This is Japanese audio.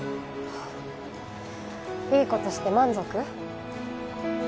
いい事して満足？